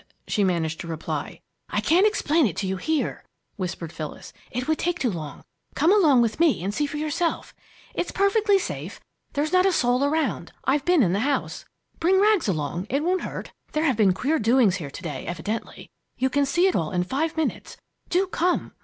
she managed to reply. "I can't explain to you here," whispered Phyllis. "It would take too long. Come along with me and see for yourself. It's perfectly safe. There's not a soul around. I've been in the house. Bring Rags along it won't hurt. There have been queer doings here to day evidently. You can see it all in five minutes. Do come!"